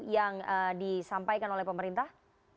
yang disampaikan oleh pemerintah